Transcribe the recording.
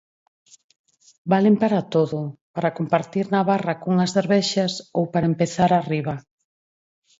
Valen para todo, para compartir na barra cunhas cervexas ou para empezar arriba.